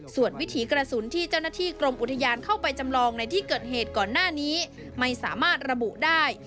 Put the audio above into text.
ส่วนวิถีกระสุนที่เจ้าหน้าที่กรมอุทยานเข้าไปจำลองในที่เกิดเหตุก่อนหน้านี้ไม่สามารถระบุได้